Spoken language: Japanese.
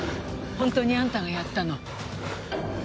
本当にあんたがやったの？